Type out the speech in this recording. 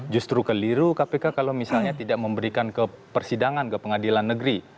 justru keliru kpk kalau misalnya tidak memberikan ke persidangan ke pengadilan negeri